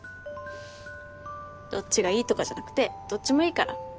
どっちがいいとかじゃなくてどっちもいいから。